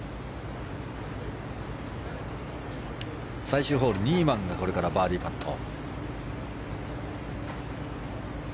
最終ホール、ニーマンバーディーパット。